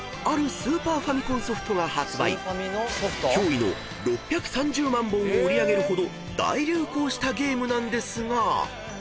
［驚異の６３０万本を売り上げるほど大流行したゲームなんですが］